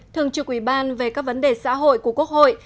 thường trực ủy ban về các vấn đề xã hội của quốc hội